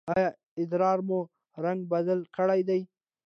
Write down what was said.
ایا ادرار مو رنګ بدل کړی دی؟